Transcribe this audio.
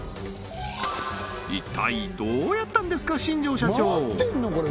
一体どうやったんですか新城社長？